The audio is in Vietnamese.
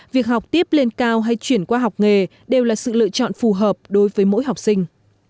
việc học tiếp lên cao hay chuyển qua học nghề đều là sự lựa chọn phù hợp đối với mỗi học sinh